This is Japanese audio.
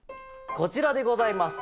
こちらでございます。